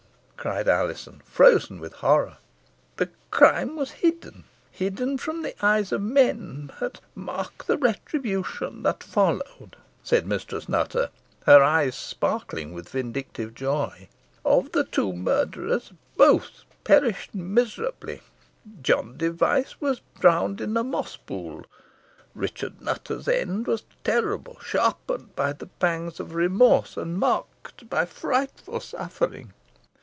cried Alizon, frozen with horror. "The crime was hidden hidden from the eyes of men, but mark the retribution that followed," said Mistress Nutter; her eyes sparkling with vindictive joy. "Of the two murderers both perished miserably. John Device was drowned in a moss pool. Richard Nutter's end was terrible, sharpened by the pangs of remorse, and marked by frightful suffering.